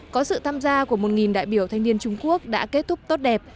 có sự tham gia của một đại biểu thanh niên trung quốc đã kết thúc tốt đẹp